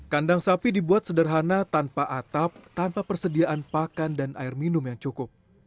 kandang sapi dibuat sederhana tanpa atap tanpa persediaan pakan dan air minum yang cukup